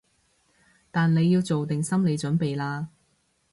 但你要做定心理準備喇